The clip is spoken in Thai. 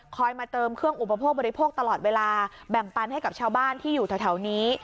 มาเติมเครื่องอุปโภคบริโภคตลอดเวลาแบ่งปันให้กับชาวบ้านที่อยู่แถวนี้